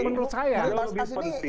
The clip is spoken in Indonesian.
menurut saya lebih penting